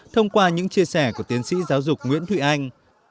thông qua những chia sẻ của tiến sĩ giáo dục nguyễn thụy anh